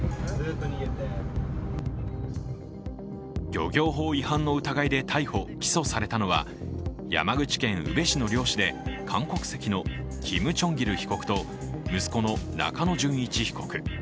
漁業法違反の疑いで逮捕・起訴されたのは山口県宇部市の漁師で韓国籍のキム・チョンギル被告と息子の中野純一被告。